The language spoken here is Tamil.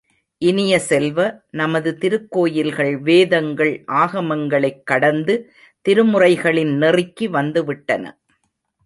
இனிய செல்வ, நமது திருக்கோயில்கள் வேதங்கள், ஆகமங்களைக் கடந்து திருமுறைகளின் நெறிக்கு வந்து விட்டன!